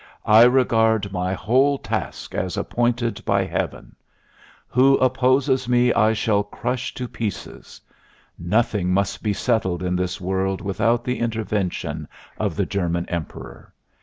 I regard my whole ... task as appointed by heaven. Who opposes me I shall crush to pieces. Nothing must be settled in this world without the intervention ... of ... the German Emperor.